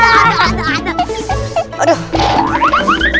oh ini juga mulut